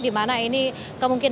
di mana ini kemungkinan